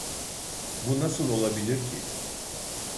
Bu nasıl olabilir ki?